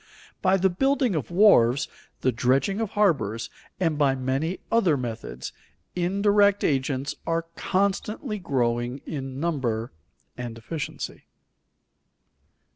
By the building of wharves, the dredging of harbors, and by many other methods, indirect agents are constantly growing in number and efficiency.